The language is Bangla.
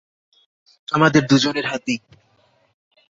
আমাদের দুজনের হাতেই।